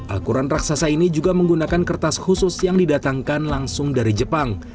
al quran raksasa ini juga menggunakan kertas khusus yang didatangkan langsung dari jepang